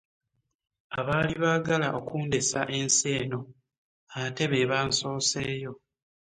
Abaali baagala okundesa ensi eno ate be bansooseeyo.